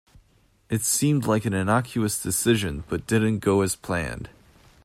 It seemed like an innocuous decision but didn't go as planned.